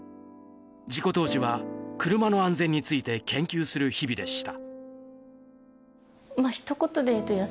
事故当時は車の安全について研究する日々でした。